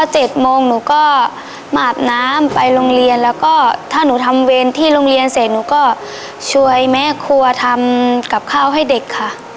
๗โมงหนูก็อาบน้ำไปโรงเรียนแล้วก็ถ้าหนูทำเวรที่โรงเรียนเสร็จหนูก็ช่วยแม่ครัวทำกับข้าวให้เด็กค่ะ